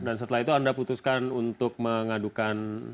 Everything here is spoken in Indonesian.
dan setelah itu anda putuskan untuk mengadukan